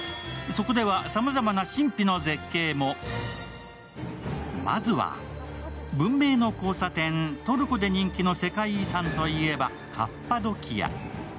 そこでは、さまざまな神秘の絶景もまずは文明の交差点・トルコで人気の世界遺産といえばカッパドキア。